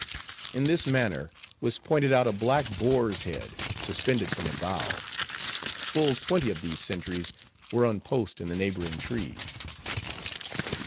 In this manner, was pointed out a black boar's head, suspended from a bough. Full twenty of these sentries were on post in the neighboring trees.